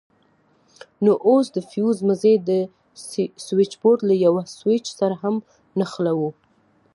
نو اوس د فيوز مزي د سوېچبورډ له يوه سوېچ سره هم نښلوو.